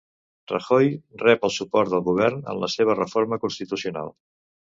Rajoy rep el suport del govern en la seva reforma constitucional